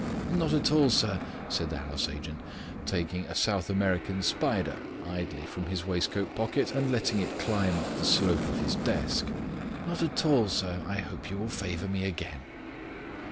"Not at all, sir," said the house agent, taking a South American spider idly from his waistcoat pocket and letting it climb up the slope of his desk. "Not at all, sir. I hope you will favour me again."